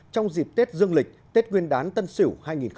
trong dịp tết dương lịch tết nguyên đán tân sửu hai nghìn hai mươi một